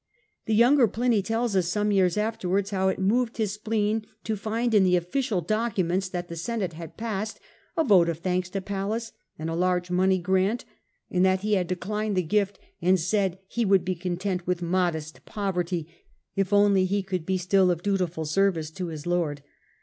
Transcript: The younger Pliny tells us some years afterwards how it moved his spleen to find in the official documents that the Senate had passed a vote of thanks to Pallas and a large money grant, and that he had declined the gift and said he would be content with modest poverty, if only he could be still of dutiful service to his lord.